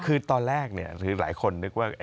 คือตอนแรกคือหลายคนนึกว่า